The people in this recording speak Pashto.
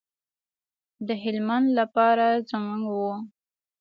د هلمند لپاره زموږ و.